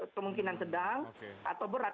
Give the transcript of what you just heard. kemungkinan sedang atau berat